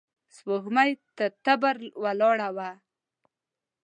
سپوږمۍ پر تبر ولاړه وه.